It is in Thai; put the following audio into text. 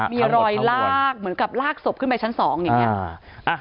มีรอยลากเหมือนกับลากศพขึ้นไปชั้น๒อย่างนี้